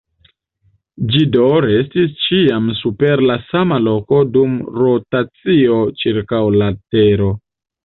Ĝi do restis ĉiam super la sama loko dum rotacio ĉirkaŭ la tero.